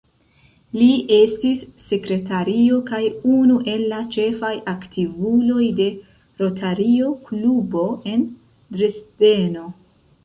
Li estis sekretario kaj unu el la ĉefaj aktivuloj de Rotario-klubo en Dresdeno.